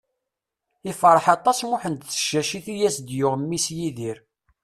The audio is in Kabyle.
Ifreḥ aṭas Muḥend s tcacit i as-d-yuɣ mmi-s Yidir.